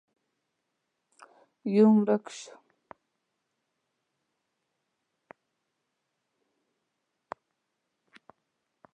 يودم ورک شو.